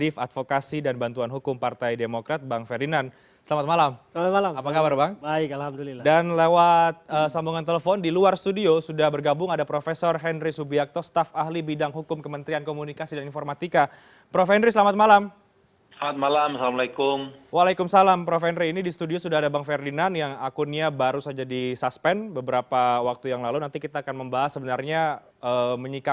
fahri meminta twitter untuk tidak berpolitik